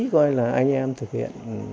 coi là anh em thực hiện